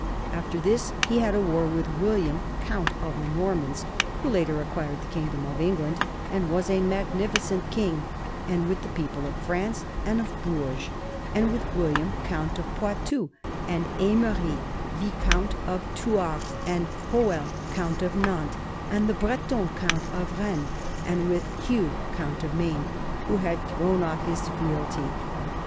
After this he had a war with William, count of the Normans, who later acquired the kingdom of England and was a magnificent king, and with the people of France and of Bourges, and with William count of Poitou and Aimeri viscount of Thouars and Hoel count of Nantes and the Breton counts of Rennes and with Hugh count of Maine, who had thrown off his fealty.